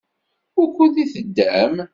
Wukud i teddam?